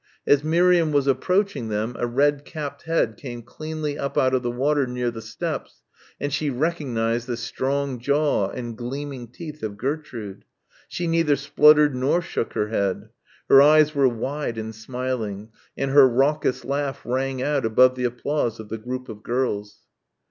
As Miriam was approaching them a red capped head came cleanly up out of the water near the steps and she recognised the strong jaw and gleaming teeth of Gertrude. She neither spluttered nor shook her head. Her eyes were wide and smiling, and her raucous laugh rang out above the applause of the group of girls.